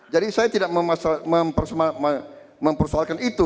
jadi saya tidak mempersoalkan itu